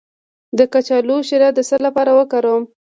د کچالو شیره د څه لپاره وکاروم؟